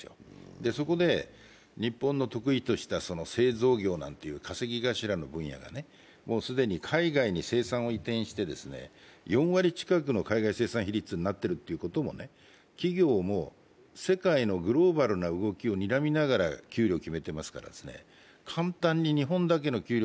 そこで日本の得意とした製造業なんていう稼ぎ頭の分野がもう既に海外に生産を移転して４割近くの海外生産比率になっているということも企業も世界のグローバルな動きをにらみながら給料を決めていますから、簡単に日本だけの給料を